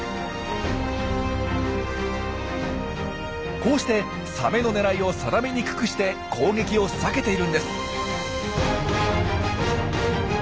こうしてサメの狙いを定めにくくして攻撃を避けているんです。